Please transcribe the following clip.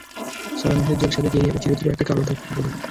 ছয় মাসের জেল, সাথে ক্যারিয়ারে চিরতরে একটা কালো দাগ পড়ে যাবে।